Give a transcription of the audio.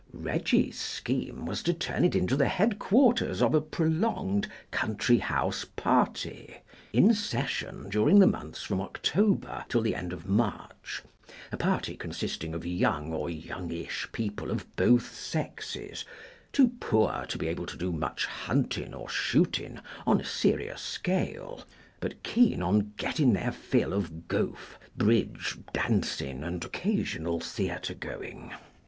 Reggie's scheme was to turn it into the headquarters of a prolonged country house party, in session during the months from October till the end of March—a party consisting of young or youngish people of both sexes, too poor to be able to do much hunting or shooting on a serious scale, but keen on getting their fill of golf, bridge, dancing, and occasional theatre going.